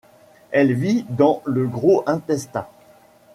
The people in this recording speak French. Elle vit dans le gros intestin.